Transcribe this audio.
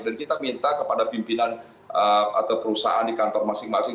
dan kita minta kepada pimpinan atau perusahaan di kantor masing masing